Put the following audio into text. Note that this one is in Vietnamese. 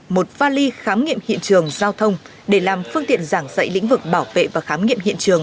một vali khám nghiệm hiện trường giao thông để làm phương tiện giảng dạy lĩnh vực bảo vệ và khám nghiệm hiện trường